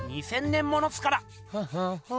２，０００年ものっすから。